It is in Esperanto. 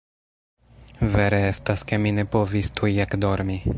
Vere estas, ke mi ne povis tuj ekdormi.